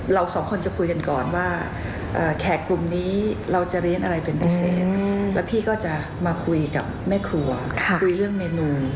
เราสองคนจะคุยกันก่อนว่าแขกกลุ่มนี้เราจะเรียนอะไรเป็นพิเศษแล้วพี่ก็จะมาคุยกับแม่ครัวคุยเรื่องเมนู